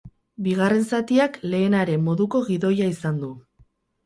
Bigarren zatiak lehenaren moduko gidoia izan du.